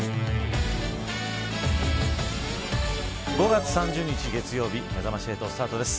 ５月３０日、月曜日めざまし８スタートです。